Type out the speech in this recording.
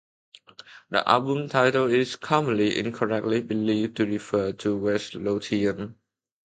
The album title is commonly incorrectly believed to refer to West Lothian.